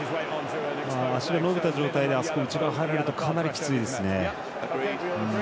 足が伸びた状態で内側に入るとかなりきついですね。